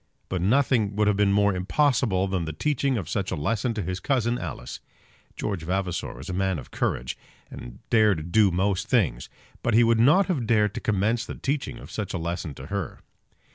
But nothing would have been more impossible than the teaching of such a lesson to his cousin Alice. George Vavasor was a man of courage, and dared do most things; but he would not have dared to commence the teaching of such a lesson to her.